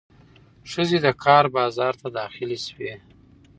ښځې د کار بازار ته داخلې شوې.